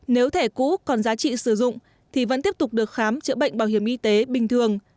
nếu thẻ cũ còn giá trị sử dụng thì vẫn tiếp tục được khám chữa bệnh bảo hiểm y tế bình thường